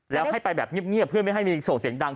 แล้วให้ไปแบบเงียบเพื่อไม่ให้มีส่งเสียงดัง